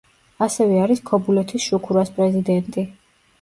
ასევე არის ქობულეთის „შუქურას“ პრეზიდენტი.